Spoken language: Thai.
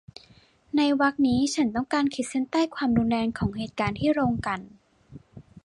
ในวรรคนี้ฉันต้องการขีดเส้นใต้ความรุนแรงของเหตุการณ์ที่โรงกลั่น